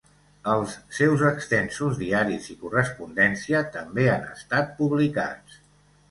Els seus extensos diaris i correspondència també han estat publicats.